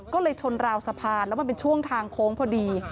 ก็เลยชนราวสะพานแล้วมันเป็นช่วงทางโค้งพอดี